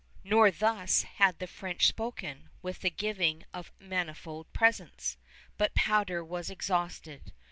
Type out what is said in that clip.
Not thus had the French spoken, with the giving of manifold presents. But powder was exhausted.